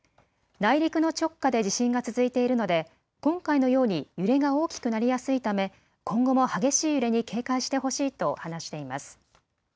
内陸の直下で地震が続いているので今回のように揺れが大きくなりやすいため、今後も激しい揺れに警戒してほしいと話しています。